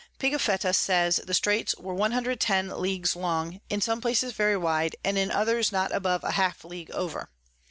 Pigafetta says the Straits were 110 Ls. long, in some places very wide, and in others not above half a League over.